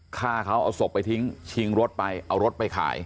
ฆ่าเขาเอาศพไปทิ้งชิงรถไปเอารถไปขาย